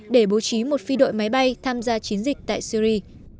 để bố trí một phi đội máy bay tham gia chiến dịch tại syri